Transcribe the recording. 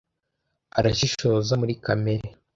Arashishoza muri kamere.